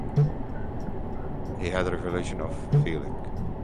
He had a revulsion of feeling.